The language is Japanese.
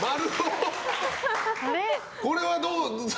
これはどう。